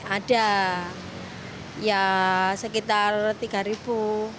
ada ya sekitar tiga ribu